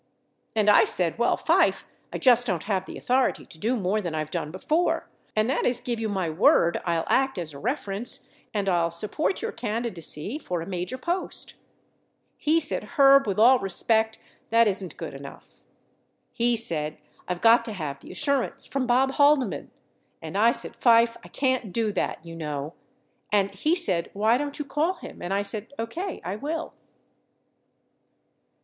498 And I said, well, Fife, I just don't have the authority to do more than I've done before, and that is give you my word I'll act as a reference and I'll support your candidacy for a major post. He said, Herb, with all respect that isn't good enough. He said, I've got to have the assurance from Bob Haldeman. And I said, Fife, I can't do that, you know. And he said, why don't you call bim? And I said, OK, I will.